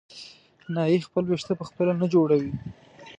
نایي خپل وېښته په خپله نه جوړوي.